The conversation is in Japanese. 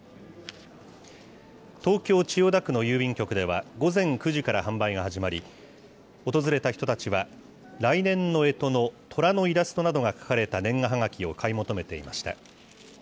東京・千代田区の郵便局では、午前９時から販売が始まり、訪れた人たちは、来年のえとのとらのイラストなどが描かれた年賀はがきを買い求めていました。